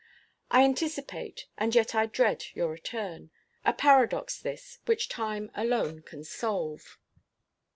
I anticipate, and yet I dread, your return; a paradox this, which time alone can solve.